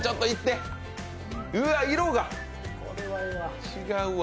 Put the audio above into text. うわ、色が違うわ。